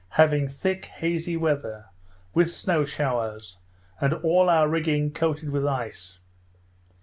having thick hazy weather, with snow showers, and all our rigging coated with ice.